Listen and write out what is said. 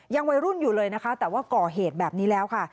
ยังวัยรุ่นอยู่เลยนะคะแต่ว่าก่อเหตุแบบนี้แล้วค่ะ